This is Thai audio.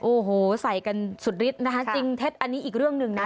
โอ้โหใส่กันสุดฤทธิ์นะคะจริงเท็จอันนี้อีกเรื่องหนึ่งนะ